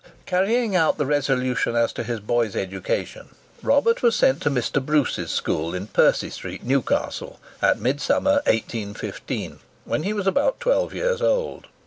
Carrying out the resolution as to his boy's education, Robert was sent to Mr. Bruce's school in Percy Street, Newcastle, at Midsummer, 1815, when he was about twelve years old.